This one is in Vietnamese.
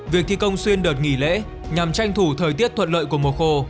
việc thi công xuyên đợt nghỉ lễ nhằm tranh thủ thời tiết thuận lợi của mùa khô